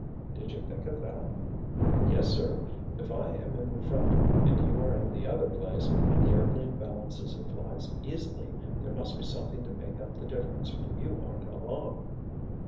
"Did you think of that?" "Yes, sir. If I am in the front and you are in the other place, and the airplane balances and flies easily, there must be something to make up the difference when you aren't along!"